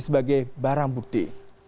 sebagai barang bukti